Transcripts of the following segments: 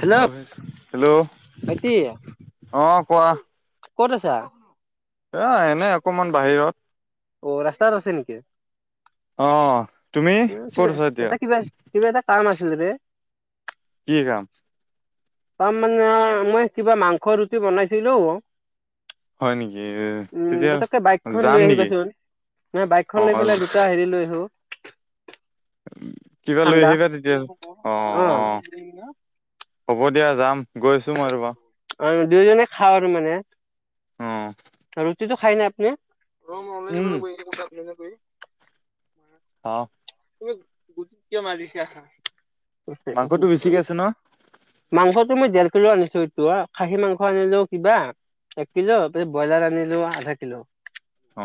Hello hello ভাইটি অঁ কোৱা। ক'ত আছা? এ এনে অকমান বাহিৰত। অ ৰাস্তাত আছে নেকি? অ তুমি উ ক'ত কিবা আছা এতিয়া এটা কিবা কিবা এটা কাম আছিল ৰে। কি কাম? তাৰ মানে মই কিবা মাংস ৰুটি বনাইছিলো। হয় নেকি উম তেতিয়া পতককে বাইকখন যাম লৈ নেকি আহিবাচোন। মই অ বাইকখন লৈ পেলাই দুটা হেৰি লৈ আহো। কিবা লৈ ঠাণ্ডা আহিবা তেতিয়া অ অ। হ'ব দিয়া যাম, গৈ আছো মই ৰবা। অ দুয়োজনে খাও আৰু মানে অ ৰুটিটো খায় ন আপুনি ৰ মই উম অনলাইনে কৰি [unintelligible] অ তুমি গুটিত কিয় মাৰিছা মাংসটো বেছিকে আছে ন মাংস এই মই ডেৰ কিলো আনিছো এইটো খাহী মাংস আনিলোও কিবা। এক কিলো প ব্ৰইলাৰ আনিলো আধা কিলো। অ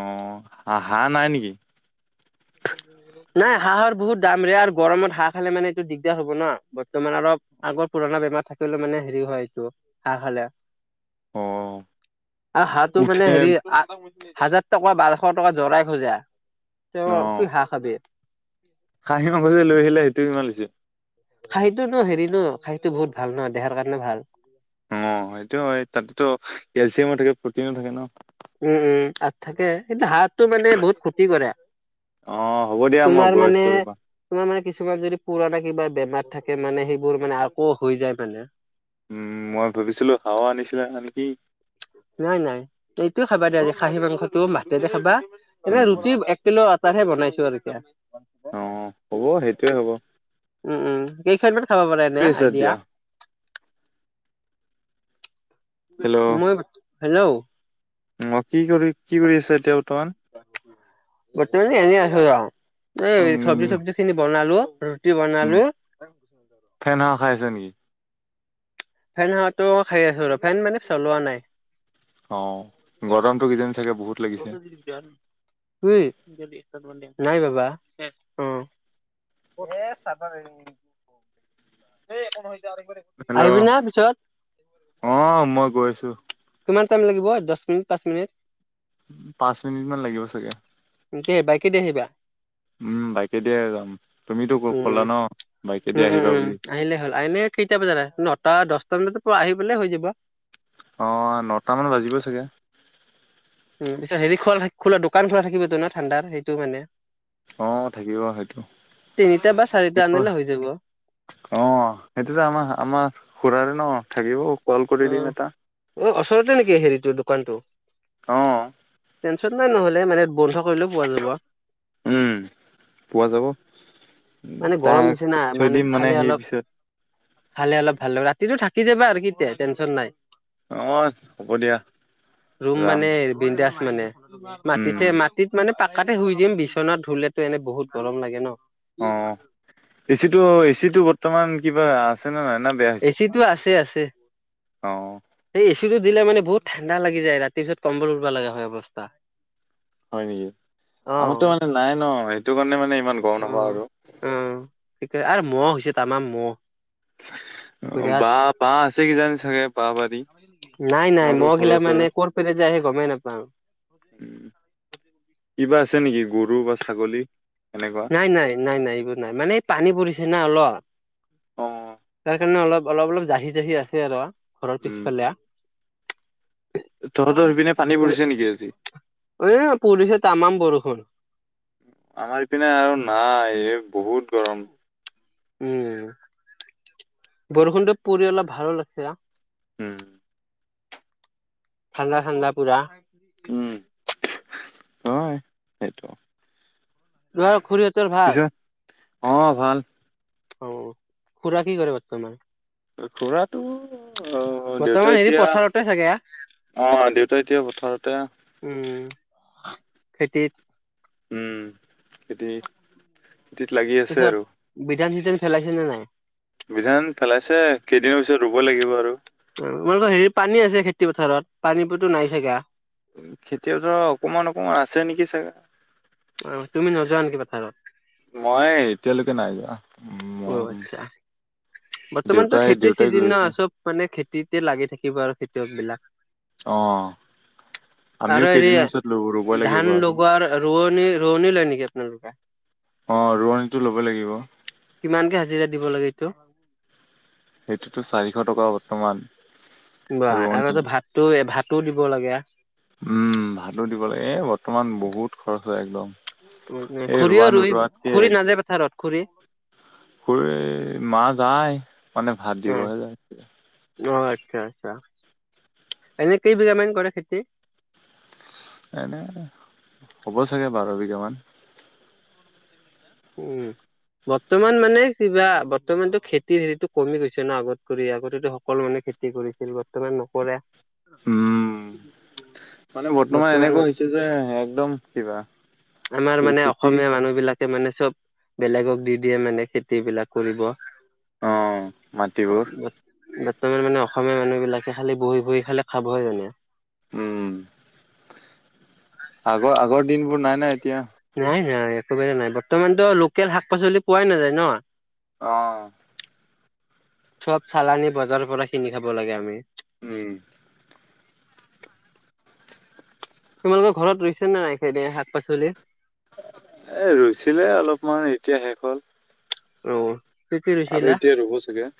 আ হাঁহ নাই নেকি? [inaudible] নাই হাঁহৰ বহুত দাম যে আৰু গৰমত হাঁহ খালে মানে এইটো দিগদাৰ হ'ব না। বৰ্তমান অলপ আগত পুৰণা বেমাৰ থাকিলে মানে হেৰি হয় এইটো, হাঁহ খালে। অ। আৰু হাঁহটো মানে উঠে হেৰি হাজাৰ টকা বাৰশ টকা জৰাই খোজে। [unintelligible] কি হাঁহ খাবি। খাঁহী মাংস যদি লৈ আহিলে সেইটোৱেই ভাল হৈছে। খাহীটো ন হেৰি ন খাহিটো বহুত ভাল নহ দেহাৰ কাৰণে ভাল। অ সেইটো হয় তাতেতো কেলচিয়ামো থাকে প্ৰটিনো থাকে ন। উম উম আৰু থাকে, কিন্তু হাঁহটো মানে বহুত ক্ষতি কৰে। অ হ'ব দিয়া মই তোমাৰ গৈ মানে আছো ৰবা তোমাৰ মানে কিছুমান যদি পুৰাণা কিবা বেমাৰ থাকে মানে সেইবোৰ মানে আকৌ হৈ যায় মানে। উম মই ভাবিছিলো হাঁহ ও আনিছিলা নেকি? নাই নাই এইটো খাবা দিয়া অজি। খাহী মাংসটো ভাতেৰে খাবা, এনে উম ৰুটি এক কিলো তাৰহে বনাইছো আৰ এতিয়া। অ হ'ব সেইটোৱে হ'ব। উম উম কেইখনমান খাব পাৰে কি কৰি এনে আছা আইডিয়া? এতিয়া মই হেল্ল' অ কি কৰি কি কৰি আছে এতিয়া বৰ্তমান বৰ্তমানে এনে আছো এ চবজি উম তবজি খিনি বনালো উম, বনালো ফেন হাৱা খাই আছে নেকি ফেন হাৱাটো খাই আছো ৰ ফেন মানে চলোৱা নাই অ গৰমতো কিজানি চাগে বহুত লাগিছে [unintelligible] অই নাই বাবা অ [unintelligible] হেল্ল' আহিবি না পিছত অ মই গৈ আছো কিমান টাইম লাগিব দহ মিনিট পাঁচ মিনিট পাঁচ মিনিট মান লাগিব চাগে দে বাইকেদি আহিবা উম বাইকে দিয়ে তুমিতো ক উম কলা ন বাইকেদি উম উম আহিবা উম বুলি আহিলে হ'ল আহিলে কেইটা বজাত নটা দহটা তমে তো পোৱা আহিবলে হৈ যাব অঁ নটামান বাজিব চাগে উ পিছত হেৰি খোলা খোলা দোকান খোলা থাকিব তো ন ঠাণ্ডাৰ সেইটো মানে অ থাকিব সেইটো তিনিটা বা চাৰিটা কি প আনিলে হৈ যাব। অ সেইটোত আমাৰ আমাৰ খুুৰাৰে ন থাকিব কল কৰি অ দিম এটা অ ওচৰতে নেকি হেৰিটো দোকানটো অ টেনচন নাই নহলে মানে বন্ধ কৰিলেও পোৱা যাব উম পোৱা যাব মানে গৰম তাক নিচিনা থৈ মানে দিম খালে সি অলপ পিছত খালে অলপ অলপ ভাল লগা ৰাতিটো থাকি যাবা আৰু কিতে টেনশ্যন নাই। অ', হ'ব দিয়া ৰুম যাম। মানে বিন্দাছ মানে উম, মাটিতহে মাটিত মানে পাকাতে শুই দিম বিচনাত শুলে এনে বহুত গৰম লাগে ন। অ এচি টো এচি টো বৰ্তমান কিবা আছেনে নাই। না বেয়া হৈছে? এচিটো আছে আছে অ', সে এচ এচিটো দিলে মানে বহুত ঠাণ্ডা লাগি যায় ৰাতিটোত কম্বল উবা লগা হয় অৱস্থা হয় নেকি অ', আমাৰতো মানে নাই ন সেইটো কাৰণে মানে ইমান গম অ নাপাওঁ আৰু। অ আৰু মহ হৈছে তামাম মহ অ বিৰাট বা বা আছে কিজানি চাগে বাঁহ বাৰী নাই নাই তোমালোকৰ মহ ঘৰৰ গিলামানে ওচৰত। কৰপে আহে গমাই নাপাওঁ [inaudible] উম, কিবা আছে নেকি গৰু বা ছাগলী এনেকুৱা? নাই নাই নাই নাই এইবোৰ নাই মানে পানী পৰিছে না অলপ অ হেই কাৰণে অলপ অলপ অলপ জাহি জাহি আছে আৰু ঘৰ উম, পিছফালে তহঁতৰ সেইপিনে পানী পৰিছে নেকি আজি? অ পুলিছে তামাম কৰষোন আমাৰ ইপিনে আৰু নাই বহুত গৰম উম বৰষুণটো পৰি অলপ ভাল লাগিছে। হম। ঠাণ্ডা ঠাণ্ডা পূৰা। উম, হয় সেইটো। তোৱাৰ খুৰি হতৰ ভাল। পিছে অ ভাল। অ খুৰা কি কৰে বৰ্তমান খুৰাটো অ অ বৰ্তমান দেউতা হেৰি এতিয়া পথাৰতে চাগে অ দেউতাই এতিয়া পথাৰতে। উম খেতিত। উম খেতি খেতিত লাগি আছে আৰু। দিল ফেলাছিল নে নাই। বিধান পেলাইছে কেইদিনৰ পিছত ৰোব লাগিব আৰু। তোমালোকৰ হেৰি পানী আছে খেতি পথাৰত পানী পতো নাই চাগে আ। উ খেতিয়তৰ অকমান অকমান আছে নেকি চাগে। অ তুমি নোযোৱা নেকি পথাৰত। মই এতিয়ালৈকে নাই যোৱা। অ উম, আচ্ছা বৰ্তমানতো দেউতাই খেতিৰ দেউতাই গৈ চিজন ন আছে চব মানে খেত- খেতিতে লাগি থাকিব আৰু খেতিয়ক বিলাক। অহ। আৰু হেৰি লাগিব ধান আৰু লগোৱাৰ ৰোৱনী ৰোৱনী লয় নেকি আপোনালোকে? অ ৰোৱনীটো ল'ব লাগিব। ইমানকে হাজিৰা দিব লাগে এইটো? সেইটোতো চাৰিশ টকা বৰ্তমান। বা ৰোৱনী আৰু ভাতটো ভাতো দিব লাগে। উম ভাতো দিব লাগে এ বৰ্তমান বহুত খৰচ হয় একদম। উ এই খুৰী ৰোৱা ৰোৱে নোৰোৱাতকে খুৰী নাযায় পথাৰত খুৰী? খুৰী মা যায় মানে ভাত দিবহে যায়। আচ্ছা-আচ্ছা এনে কেই বিঘামান কৰে খেতি? এনে হ'ব চাগে বাৰ বিঘা মান। উম। বৰ্তমান মানে কিবা বৰ্তমানতটো খেতিৰ হেৰিতটো কমি গৈছে ন আগত কৰি আগতে সকলো মানে। খেতি কৰিছিল বৰ্তমান নকৰে। উম মানে বৰ্তমান এনেকুৱা হৈছে যে একদম কিবা। আমাৰ মানে খেতি অসমীয়া মানুহ বিলাকে মানে চব। বেলেগক দি দিয়ে মানে খেতি বিলাক কৰিব। অ মাটিবোৰ। তুমি মানে অসমীয়া মানুহ বিলাকে খালি বহি বহি খালে খাবহে জানে। উম। আগৰ আগৰ দিনবোৰ নাই নাই এতিয়া। নাই নাই একোবাৰে নাই বৰ্তমানতো লোকেল শাক পাচলি পোৱাই নাযায় ন। অ চব চালানি বজাৰৰ পৰা কিনি খাব লাগে আমি। উম [unintelligible] তোমালোকৰ ঘৰত ৰোইছে নে নাই খেতি শাক -পাচলি। ৰোইছিলে অলপমান এতিয়া শেষ হ'ল। ৰু। আৰু এতিয়া ৰোব চাগে।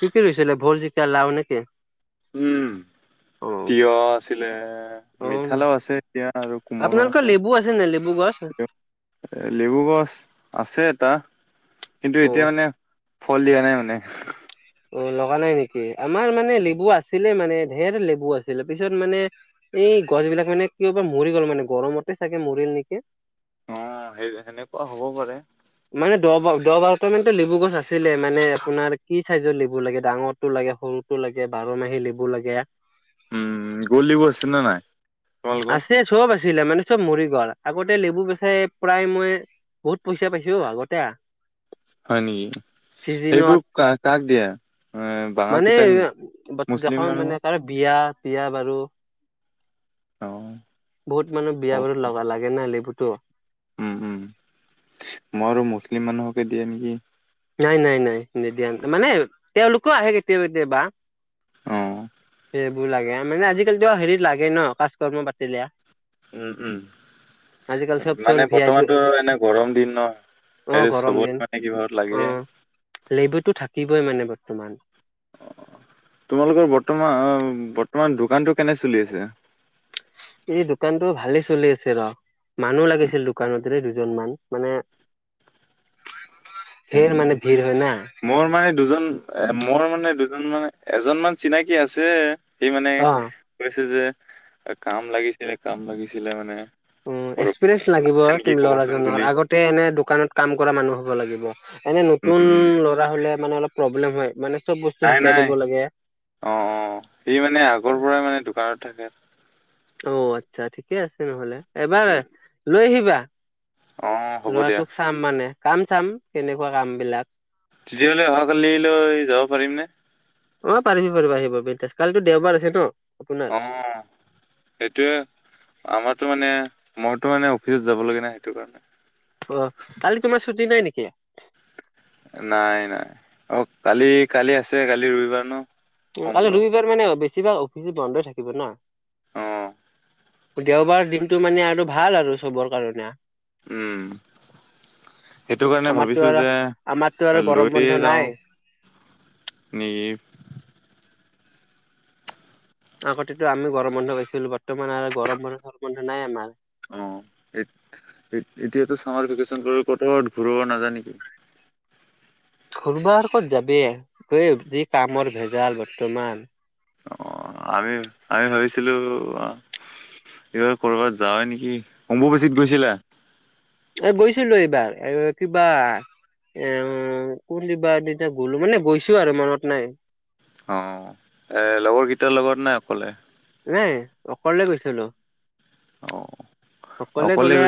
কি কি ৰৈছিলে ভুল, জিকা, লাও নেকি? অ তিঁয়হ আছিলে অ মিঠালাও আছে এতিয়া আৰু কোমোঁৰো আপোনালোকৰ আছে। লেবু নাই লেবু গছ? এ লেবু গছ আছে এটা। কিন্তু এতিয়া অ', মানে ফল দিয়া নাই মানে। অ লগা নাই নেকি আমাৰ মানে লেবু আছিলে মানে ধেৰ লেবু আছিলে পিছত মানে এ- এই গছ বিলাক মানে কিয়বা মৰি গ'ল মানে গৰমতে চাগে মৰিল নেকি। অ' সেই সেনেকুৱা হব পাৰে। মানে দহ বাৰটা মানতো লেবু গছ আছিলে মানে আপোনাৰ কি চাইজৰ লেবু লাগে ডাঙৰটো লাগে সৰুটো লাগে বাৰ মাহী লেবু লাগে। উম গোলি বুইছো নে নাই তোমালোকৰ। আছে চব আছিলে মানে চব মৰিগল আগতে লেবু বেচাই প্ৰায় মই বহুত পইচা পাইছো আগতে। হয় নেকি চিজনত সেইবোৰ কা কাক দিয়া। মানে এ মুছলিম যখন মানে মানুহক কাৰ বিয়া। বিয়া বাৰু অ বহুত মানুহ বিয়া অ বাৰু লগা লাগে ন লেবুত। ত। উম উম মই আৰু মুছলিম মানুহকে দিয়ে নেকি। নাই নাই নাই নিদিয়া মানে তেওঁলোকো আহে কেতিয়াবা কেতিয়াবা। অ। সেইবোৰ লাগে মানে আজিকালি হেৰিত লাগে ন কাজ কৰ্ম পাতিলে। উম উম। আজিকালি চবচোন মানে ভি আই পি বৰ্তমানতো এনে গৰম দিন ন অ সেই গৰম চবত দিন মানে কিবাহত লাগে। অ লেবুটো থাকিবই মানে বৰ্তমান। তোমালোকৰ বৰ্তমান অ বৰ্তমান দোকানটো কেনে চলি আছে। এই দোকানটো ভালে চলি আছে ৰ। মানুহ লাগিছিল দোকানতৰে দুজন মান মানে। হয় সেৰ নেকি মানে ভিৰ হয় না। মোৰ মানে দুজন এ মোৰ মানে দুজন মানে এজন মান চিনাকি আছে। সি মানে অ কৈছে যে কাম লাগিছিলে কাম লাগিছিলে মানে। ওম কৰবাত এক্সপিৰিয়েঞ্চ লাগিব আছে নেকি ত কবাচোন বুলি ল'ৰাজনৰ আগতে এনে দোকানত কাম কৰা মানুহ হ'ব লাগিব। এনে উম নতুন উম ল'ৰা হ'লে মানে অলপ প্ৰব্লেম হয়। মানে চব বস্তু নাই শিকাই নাই দিব লাগে অ অ সি মানে আগৰ পৰাই মানে দোকানত থাকে। ধেত। অ আচ্ছা ঠিকে আছে নহলে এবাৰ উম লৈ আহিবা অ হ'ব দিয়া লৰাটোক চাম মানে। কাম চাম কেনেকুৱা কাম বিলাক। তেতিয়াহ'লে অহাকালিলৈ যাব পাৰিম নে। অ পাৰিবি পাৰিবি আহিব ব কালিতো দেওবাৰ আছে ন। আপোনাৰ অ সেইটোৱে আমাৰ। সেই ত মানে মইতো মানে অফিচ যাব লগিয়া নাই সেইটো কাৰণে। অ কালি তোমাৰ ছুটি নাই নেকি। নাই নাই অ কালি কালি আছে কালি ৰবিবাৰ ন। কালি সোমবাৰ ৰবিবাৰ মানে বেছিভাগ অফিচো বন্ধ থাকিব ন। অ দেওবাৰ দিনটো মানে আৰু ভাল আৰু চবৰ কাৰণে। উম। সেইটো কাৰণে আমাৰতো ভাবিছো আৰু যে আমাৰতো আৰু গৰম বন্ধ লৈয়ে নাই যাওঁ। নি। আগতেতো আমি গৰম বন্ধ পাইছিলো বৰ্তমান আৰু গৰম বন্ধ চৰম বন্ধ নাই আমাৰ। অ। এ এতিয়াতো চামাৰ ভেকেশচন ত কতো ঘূৰিব নাযায় নেকি। কৰবাত কত যাবি গৈ যি কামৰ ভেজাল বৰ্তমান। অ আমি আমি ভাবিছিলো অ। এইবাৰ কৰ'বাত যাওঁৱে নেকি অম্বু বাচিত গৈছিলা। এই গৈছিলো এইবাৰ, কিবা এ কোন দিবা দিনা গ'লো মানে গৈছো আৰু মনত নাই। অ এ লগৰকেইটাৰ লগত নে অকলে নাই অকলে গৈছিলো। অ অকলে গলে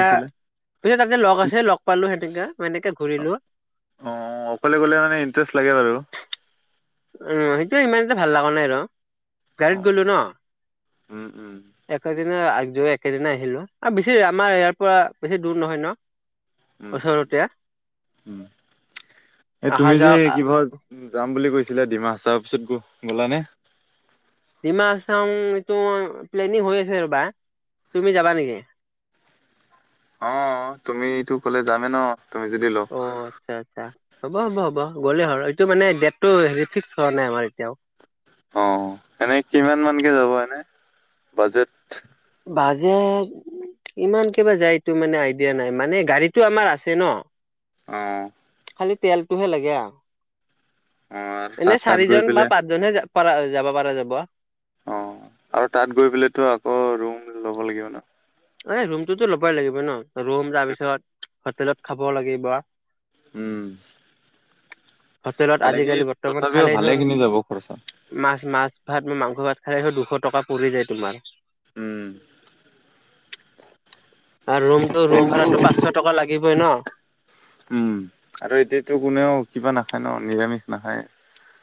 পিছে তাতে লগ আছে লগ? পালো সেনেকা হেনেকে ঘূৰিলো অ অকলে গ'লে মানে ইণ্টাৰেষ্ট লাগে বাৰু অ সেইটো ইমান এটা ভাল লগা নাই। ন গাৰত অ গলো ন উম উম এক আ একেদিনাই আহিলো আৰু বেছি আমাৰ ইয়াৰ পৰা বেছি দূৰ নহয় ন। উম ওচৰতিয়া উম এ তুমি যে কিব যাম বুলি কৈছিলা ডিমা হ তাৰ পিছত গ গলানে? ডিমা চাং এইটো প্লেনিং হৈ আছে। ৰবা তুমি যাবা নেকি? [unintelligible] অ তুমিটো কলে যামেই ন। তুমি যদি লগ অ আচ্ছা আচ্ছা। হ'ব হ'ব হ'ব গ'লেই হ এইটো মানে দেটটো হ ফিকস হোৱা নাই আমাৰ এতিয়াও- অ এনে কিমান মানকে যাব এনে বাজেট- বাজে- ইমান কেইিবা যায় এইটো মানে আইডিয়া নাই মানে গাড়ীতটো আমাৰ আছে। ন অঁ তেলতটোহে লাগে অ আৰু আৰু- তাত এনেই তাত গৈ চাৰিজন বা পেলাই পাঁচজনহে প যাব পাৰা যাব। অ আৰু তাত গৈ পেলতো আকৌ ৰুম ল'ব লাগিব ন। এ ৰুমটোতো ল'বই লাগিব ন ৰুম তাৰ পিছত হোটেলত খাব লাগিব। উম হোটেলত ভালেখিনি আজিকালি বৰ্তমান তথাপিও খালেই হোন ভালেখিনি যাব খৰচা মাছ, মাছ ভাত ম মাংস, ভাত, খাই দুশ টকা পৰি যায়। তোমাৰ উম আৰু ৰুমটো ৰুম ভাড়াতটো পাঁচশ টকা লাগিবই ন। উম আৰু এতিয়ো কোনেও কিবা নাখায়। ন নিৰামিষ নাখায়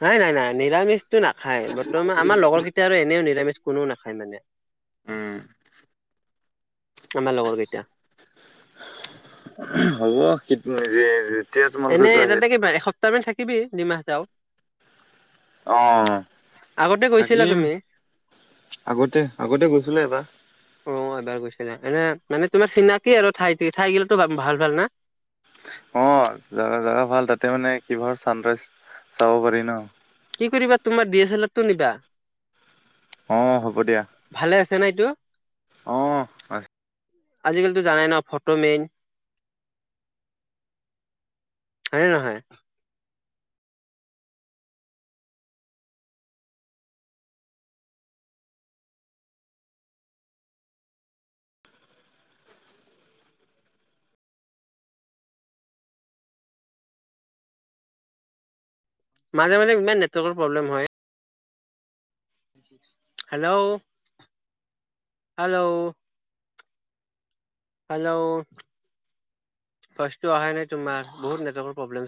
নাই নাই নাই নিৰামিষটো নাখায় বৰ্তমান আমাৰ লগৰ কেইটা আৰু এনেও তে কোনেও নাখায় মানে উম আমাৰ লগৰ কেইটা। হ'ব স নিজে যেতিয়া তোমালোকে এনেই এ যোৱা সেই তাতে কিবা এসপ্তাহ মান থাকিবি ডিমা হাছাও অ আগতে গৈছিলা। থাকিম তুমি আগতে আগতে গৈছিলো এইবাৰ অ এবাৰ এনে মানে তোমাৰ চিনাকি আৰু ঠাই ঠাই গিলাতো ভাল ভাল না জগা জোগা ভাল তাতে মানে কিৰ চানৰাইজ চাব পাৰি ন- কি কৰিবা তোমা ডিএছেলাৰ এটো নিবা অ হ'ব দিয়া ভালে আছে এইটো অ হয়। আজিকালিটো জানাই ন ফটো মেইন- হয় নহয়। মাজে মাজে ইমান নেটৱৰ্কৰ প্ৰব্লেম হয়। হেল্লৌ' হেল্লৌ' হেল্লৌ' ফানটো অহা নাই তোমাৰ বহুত নৰ্লে